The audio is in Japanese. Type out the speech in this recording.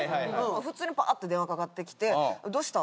普通にパーッて電話かかってきてどうした？